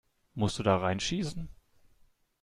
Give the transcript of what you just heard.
Musst du da reinschießen?